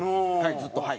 ずっとはい。